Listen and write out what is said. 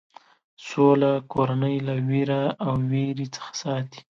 سوله کورنۍ له وېره او وېرې څخه ساتي.